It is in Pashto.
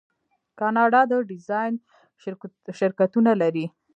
کاناډا د ډیزاین شرکتونه لري.